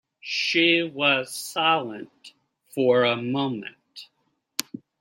She was silent for a moment.